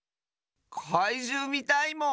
かいじゅうみたいもん！